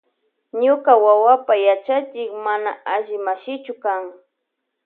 Ñuka wawapa yachachik mana alli mashichu kan.